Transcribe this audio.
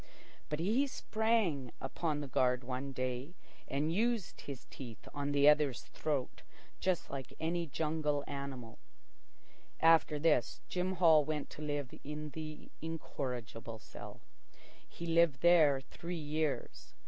But he sprang upon the guard one day and used his teeth on the other's throat just like any jungle animal. After this, Jim Hall went to live in the incorrigible cell. He lived there three years.